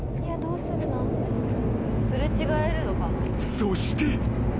［そして］